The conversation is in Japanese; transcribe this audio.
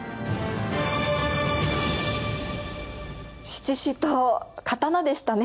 七支刀刀でしたね。